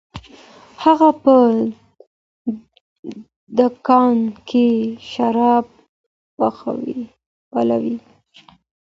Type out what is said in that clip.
هغه په دکان کي شراب پلوري.